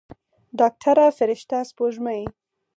ډاکتره فرشته سپوږمۍ.